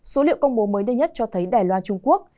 số liệu công bố mới đây nhất cho thấy đài loan trung quốc